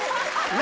何？